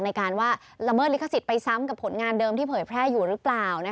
ในการว่าละเมิดลิขสิทธิ์ไปซ้ำกับผลงานเดิมที่เผยแพร่อยู่หรือเปล่า